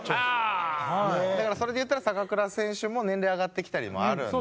だからそれでいったら坂倉選手も年齢上がってきたりもあるんで。